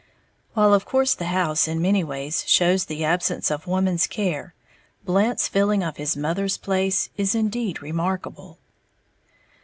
While of course the house in many ways shows the absence of woman's care, Blant's filling of his mother's place is indeed remarkable.